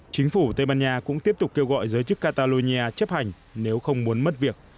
chính phủ tây ban nha cũng tiếp tục kêu gọi giới chức catalonia chấp hành nếu không muốn mất việc